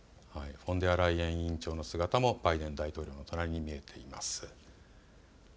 フォンデアライエン委員長の姿もバイデン大統領の隣に見えています。